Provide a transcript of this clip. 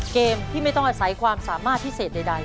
เกมที่ไม่ต้องอาศัยความสามารถพิเศษใด